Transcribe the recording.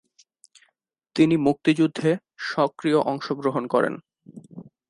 তিনি মুক্তিযুদ্ধে সক্রিয় অংশগ্রহণ করেন।